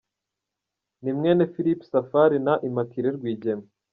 Ni mwene Philippe Safari na Immaculee Rwigema.